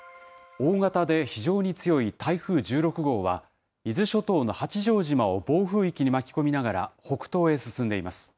大型で非常に強い台風１６号は、伊豆諸島の八丈島を暴風域に巻き込みながら北東へ進んでいます。